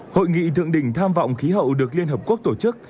hội nghị thượng đỉnh tham vọng khí hậu được liên hợp quốc tổ chức